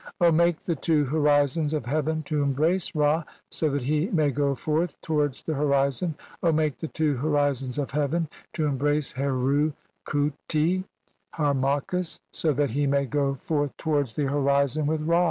"make the two horizons of heaven to embrace Ra so "that he may go forth towards the horizon. make the "two horizons of heaven to embrace Heru khuti (Har "machis), so that he may go forth towards the horizon "with Ra.